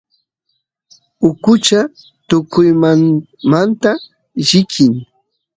ukucha tukuymamanta llikin